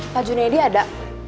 pak junedi ada